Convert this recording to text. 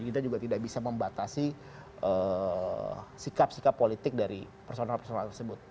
kita juga tidak bisa membatasi sikap sikap politik dari personal personal tersebut